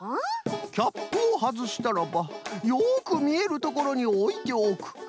キャップをはずしたらばよくみえるところにおいておく。